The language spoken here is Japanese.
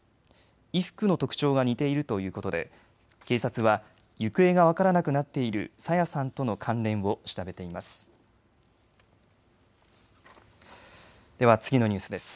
衣服の特徴が似ているということで警察は行方が分からなくなっている朝芽さんとの関連を調べています。